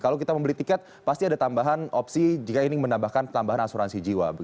kalau kita membeli tiket pasti ada tambahan opsi jika ingin menambahkan tambahan asuransi jiwa